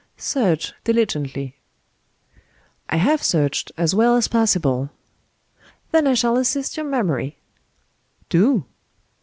"Search diligently." "I have searched as well as possible." "Then I shall assist your memory." "Do."